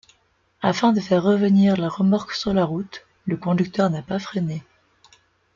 Afin de faire revenir la remorque sur la route, le conducteur n’a pas freiné.